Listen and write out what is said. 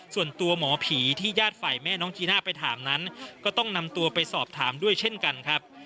ส่วนตัวหมอผีที่ญาติฝ่ายแม่น้องจีน่าไปถามนั้นก็ต้องนำตัวไปสอบถามด้วยเช่นกันครับ